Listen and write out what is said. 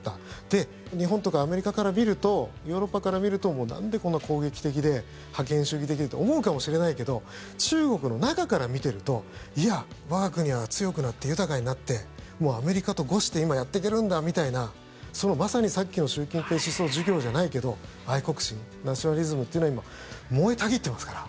で、日本とかアメリカから見るとヨーロッパから見るとなんで、こんな攻撃的で覇権主義的でって思うかもしれないけど中国の中から見てるといや、我が国は強くなって豊かになってアメリカとごして今やっていけるんだみたいなまさに、さっきの習近平思想授業じゃないけど愛国心ナショナリズムというのは今、燃えたぎってますから。